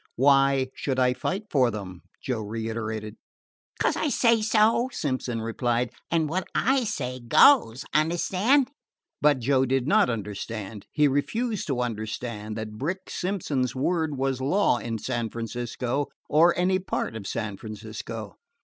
"Why should I fight for them?" Joe reiterated. "'Cos I say so," Simpson replied. "An' wot I say goes. Understand?" But Joe did not understand. He refused to understand that Brick Simpson's word was law in San Francisco, or any part of San Francisco.